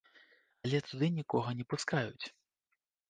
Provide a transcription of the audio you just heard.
Але туды нікога не пускаюць.